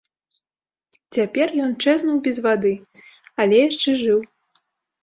Цяпер ён чэзнуў без вады, але яшчэ жыў.